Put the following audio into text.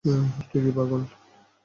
তুই কি পাগল?